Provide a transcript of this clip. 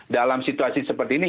dalam situasi seperti ini